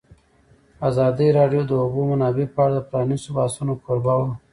ازادي راډیو د د اوبو منابع په اړه د پرانیستو بحثونو کوربه وه.